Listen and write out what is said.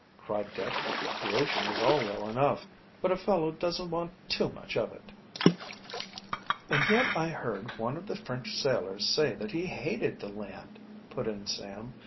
cried Dick. "The ocean is all well enough, but a fellow doesn't want too much of it." "And yet I heard one of the French sailors say that he hated the land," put in Sam.